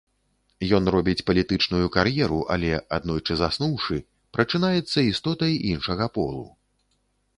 Ен робіць палітычную кар'еру, але, аднойчы заснуўшы, прачынаецца істотай іншага полу.